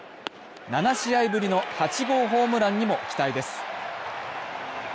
７試合ぶりの８号ホームランにも期待です。